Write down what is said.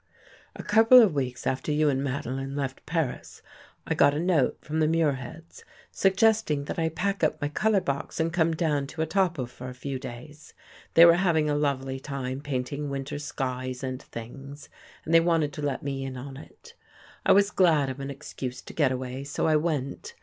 " A couple of weeks after you and Madeline left Paris, I got a note from the Muirheads, suggesting that I pack up my color box and come down to Etaples for a few days. They were having a lovely time painting winter skies and things and they wanted to let me in on it. I was glad of an excuse to get away, so I went.